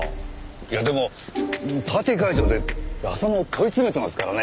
いやでもパーティー会場で浅野を問い詰めてますからね。